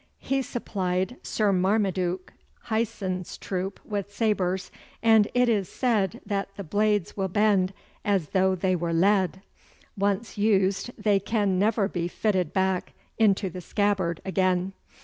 'He supplied Sir Marmaduke Hyson's troop with sabres, and it is said that the blades will bend as though they were lead. Once used they can never be fitted back into the scabbard again.